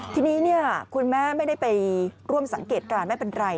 ทีนี้คุณแม่ไม่ได้ไปร่วมสังเกตการณ์ไม่เป็นไร